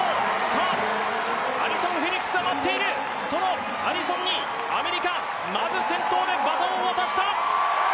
アリソン・フェリックスが待っているそのアリソンにアメリカ、まず先頭でバトンを渡した！